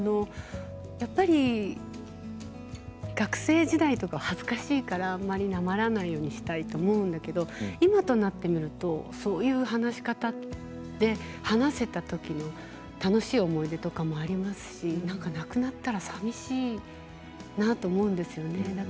やっぱり学生時代とか恥ずかしいからあまりなまらないようにしたいと思うんだけれど今となってみるとそういう話し方って話せたときに楽しい思い出とかもありますしなくなったらさみしいなと思うんですよね。